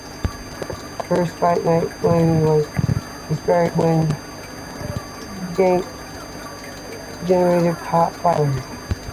The first night's filming was disrupted when the generator caught fire.